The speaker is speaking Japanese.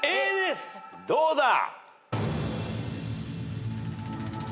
どうだ！